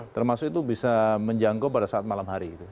termasuk itu bisa menjangkau pada saat malam hari